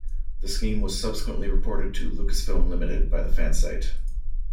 The scheme was subsequently reported to Lucasfilm Limited by the fan site.